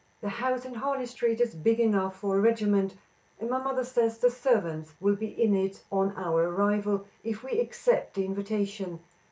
The house in Harley street is big enough for a regiment, and my mother says the servants will be in it on our arrival, if we accept the invitation.